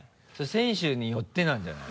選手によってなんじゃない？